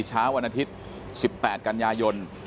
เช้าวันอาทิตย์๑๘กันยายน